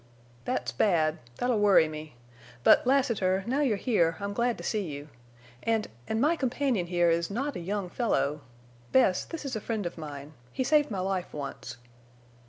"That's bad. That'll worry me. But, Lassiter, now you're here I'm glad to see you. And—and my companion here is not a young fellow!... Bess, this is a friend of mine. He saved my life once."